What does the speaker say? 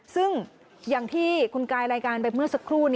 ซึ่งอย่างที่คุณกายรายการไปเมื่อสักครู่